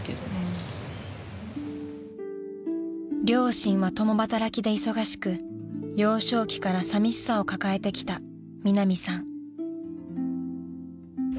［両親は共働きで忙しく幼少期からさみしさを抱えてきたミナミさん］